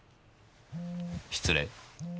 失礼。